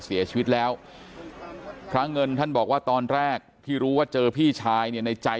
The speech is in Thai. เสียชีวิตแล้วพระเงินท่านบอกว่าตอนแรกที่รู้ว่าเจอพี่ชายเนี่ยในใจ